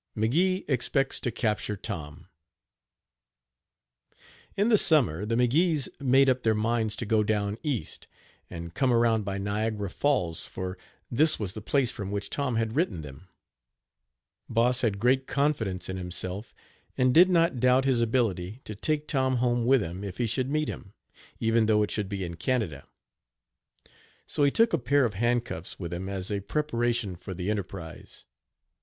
M'GEE EXPECTS TO CAPTURE TOM. In the summer the McGees made up their minds to go down east, and come around by Niagara Falls, for this was the place from which Tom had written them. Boss had great confidence in himself, and did not doubt his ability to take Tom home with him if he should meet him, even though it should be in Canada. So he took a pair of handcuffs with him as a preparation for the enterprise.